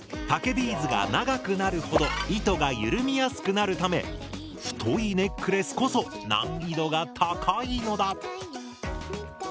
竹ビーズが長くなるほど糸がゆるみやすくなるため太いネックレスこそ難易度が高いのだ。